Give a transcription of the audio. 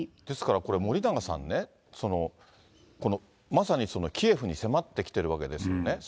ですからこれ、森永さんね、まさにキエフに迫ってきているわけですよね。